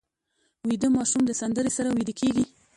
ویده ماشوم د سندرې سره ویده کېږي